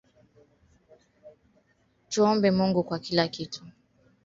Je lilikuwa jaribio la Mapinduzi lililoshindwa kwa Serikali ya Mapinduzi